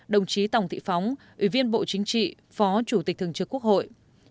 đồng chí tòng thị phóng ủy viên bộ chính trị phó chủ tịch thường trực quốc hội